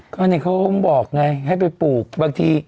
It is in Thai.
ก็นี่เขาบอกไงให้ไปปลูกบางที